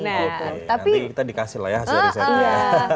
oke nanti kita dikasih lah ya hasil risetnya